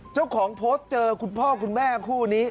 เจ้าของโพสต์เจอคุณพ่อคุณแม่คู่นี้